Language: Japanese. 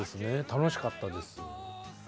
楽しかったです。